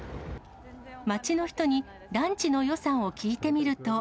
街の人にランチの予算を聞いてみると。